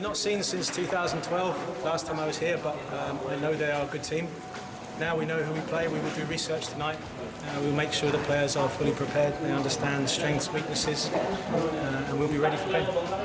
kita akan melakukan penelitian malam ini kita akan memastikan pemain pemain ini sudah siap mereka mengerti kekuatan dan kelemahan dan kita akan siap untuk menang